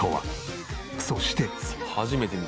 そして。